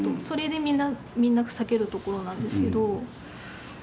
それでみんな避けるところなんですけど。